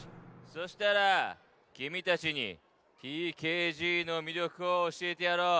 そしたらきみたちにＴＫＧのみりょくをおしえてやろう。